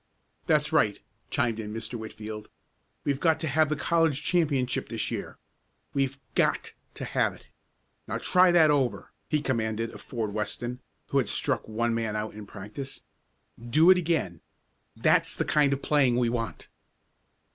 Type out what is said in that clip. "That's right," chimed in Mr. Whitfield. "We've got to have the college championship this year. We've GOT to have it. Now try that over," he commanded of Ford Weston, who had struck one man out in practice. "Do it again. That's the kind of playing we want."